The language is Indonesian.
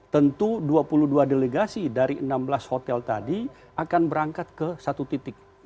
tentu dua puluh dua delegasi dari enam belas hotel tadi akan berangkat ke satu titik